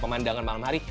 pemandangan malam hari